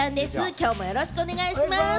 きょうもよろしくお願いします。